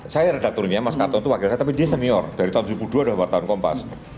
saya redakturnya mas kartono itu wakil saya tapi dia senior dari tahun dua ribu dua udah buat tahun kompas